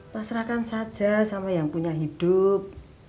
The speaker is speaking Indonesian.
pasrahkan saja sama yang punya hidup